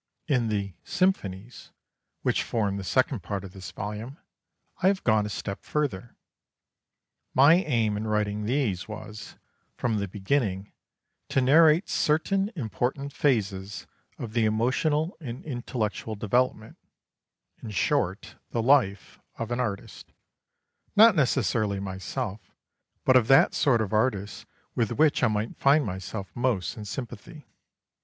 In the "Symphonies," which form the second part of this volume, I have gone a step further. My aim in writing these was, from the beginning, to narrate certain important phases of the emotional and intellectual development in short, the life of an artist, not necessarily myself, but of that sort of artist with which I might find myself most in sympathy.